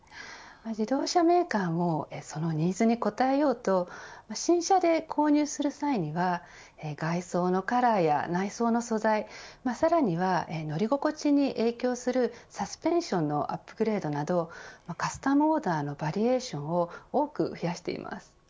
自動車メーカーもそのニーズに応えようと新車で購入する際には外装のカラーや内装の素材さらには乗り心地に影響するサスペンションのアップグレードなどカスタムオーダーのバリエーションを多く増やしています。